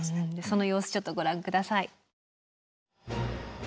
その様子ちょっとご覧ください。